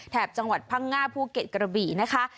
จังหวัดพังงาภูเก็ตกระบี่นะคะ